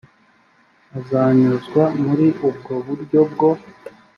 azanyuzwa muri ubwo buryo bwo